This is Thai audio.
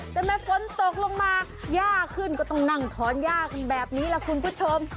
แต่เมื่อฝนตกลงมายากขึ้นก็ต้องนั่งถอนย่ากันแบบนี้ล่ะคุณผู้ชม